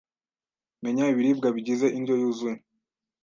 Menya ibiribwa bigize indyo yuzuye